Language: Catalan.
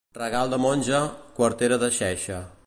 Regal de monja, quartera de xeixa.